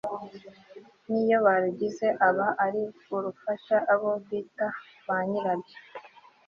n'iyo barugize aba ari ugufasha abo bita ba nyirabyo